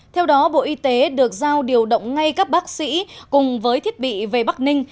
theo đó bộ y tế được giao điều động ngay các bác sĩ cùng với thiết bị về bắc ninh